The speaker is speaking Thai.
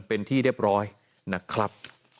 เป็นที่เรียบร้อยนะครับ